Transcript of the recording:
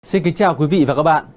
xin kính chào quý vị và các bạn